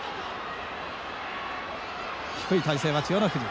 低い体勢は千代の富士。